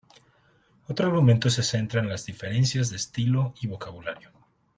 Otro argumento se centra en las diferencias de estilo y vocabulario.